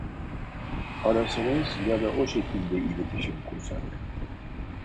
Arasanız ya da o şekilde iletişim kursak